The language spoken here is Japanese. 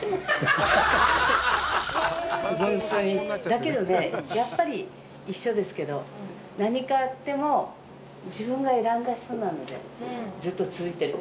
だけどね、やっぱり一緒ですけど何かあっても自分が選んだ人なのでずっと続いてる。